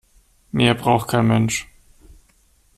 Mehr braucht kein Mensch.